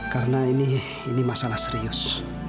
karena ini masalah serius